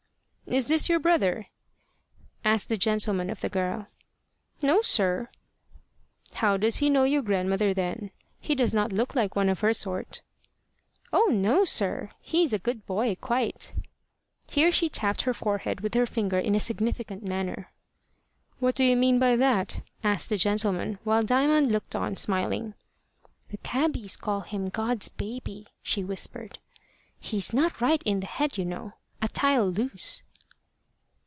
"Is this your brother?" asked the gentleman of the girl. "No, sir." "How does he know your grandmother, then? He does not look like one of her sort." "Oh no, sir! He's a good boy quite." Here she tapped her forehead with her finger in a significant manner. "What do you mean by that?" asked the gentleman, while Diamond looked on smiling. "The cabbies call him God's baby," she whispered. "He's not right in the head, you know. A tile loose."